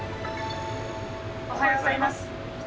「おはようございます」。